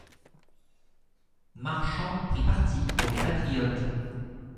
Marchand prit parti pour les Patriotes.